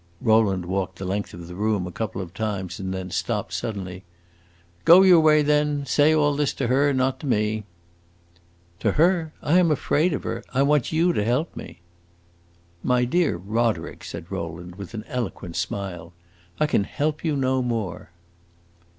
Rowland walked the length of the room a couple of times and then stopped suddenly. "Go your way, then! Say all this to her, not to me!" "To her? I am afraid of her; I want you to help me." "My dear Roderick," said Rowland with an eloquent smile, "I can help you no more!"